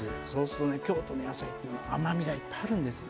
京都の野菜って甘みがいっぱいあるんですね。